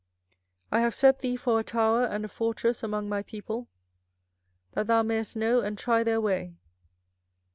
24:006:027 I have set thee for a tower and a fortress among my people, that thou mayest know and try their way.